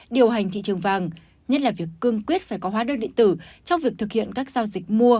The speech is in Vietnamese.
điều hành thị trường vàng nhất là việc cương quyết phải có hóa đơn điện tử trong việc thực hiện các giao dịch mua